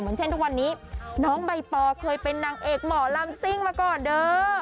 เช่นทุกวันนี้น้องใบปอเคยเป็นนางเอกหมอลำซิ่งมาก่อนเด้อ